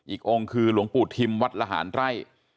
อีกองคือหลวงปุธิ์ธิมทร์วัทรหารไร่